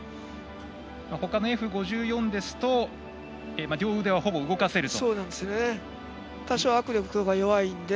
ほかのＦ５４ですと両腕はほぼ動かせると。